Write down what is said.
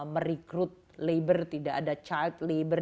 merekrut labor tidak ada child labor